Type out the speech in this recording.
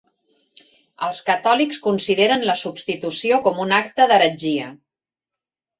Els catòlics consideren la substitució com un acte d'heretgia.